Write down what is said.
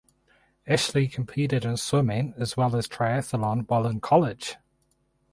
Ashley competed in swimming as well as triathlon while in college.